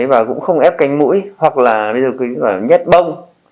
và cũng không ép cánh mũi hoặc là bây giờ cứ nhét bông